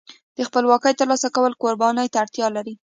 د خپلواکۍ ترلاسه کول قربانۍ ته اړتیا لري.